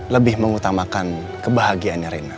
lebih mengutamakan kebahagiaan rena